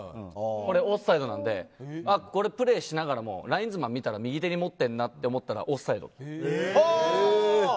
これオフサイドなのでプレーしながらもラインズマン右手に持っているなと思ったらオフサイド。